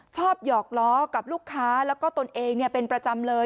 หยอกล้อกับลูกค้าแล้วก็ตนเองเป็นประจำเลย